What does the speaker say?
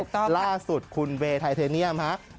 ถูกต้องค่ะล่าสุดคุณเว่ไทเทเนียมนี่นะคะ